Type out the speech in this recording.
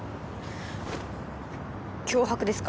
脅迫ですか？